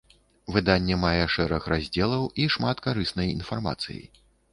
Выданне мае шэраг раздзелаў і шмат карыснай інфармацыі.